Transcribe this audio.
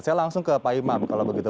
saya langsung ke pak imam kalau begitu